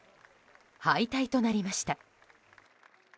敗退となりました。